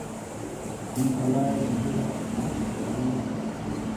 اَنی فَلائیے بِیجو گہ لِش تھے چھُرے نو۔